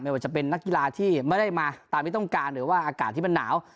ว่าจะเป็นนักกีฬาที่ไม่ได้มาตามที่ต้องการหรือว่าอากาศที่มันหนาว